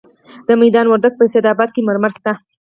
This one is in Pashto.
د میدان وردګو په سید اباد کې مرمر شته.